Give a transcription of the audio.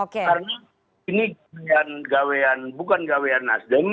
karena ini bukan gawean nasdem